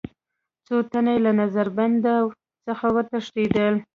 څو تنه یې له نظر بندۍ څخه وتښتېدل.